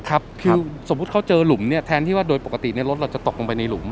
คือสมมุติเขาเจอหลุมเนี่ยแทนที่ว่าโดยปกติรถเราจะตกลงไปในหลุม